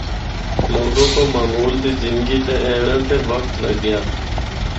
لوگاں کو معمول دی زندگی تے اینڑے تے وقت لگیا۔